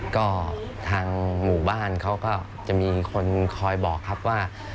ก็ทางหมู่บ้านเขาก็จะมีคนคอยบอกครับว่า